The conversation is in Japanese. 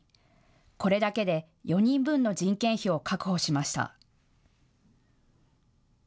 これだけで４人分の人件費を確保しました。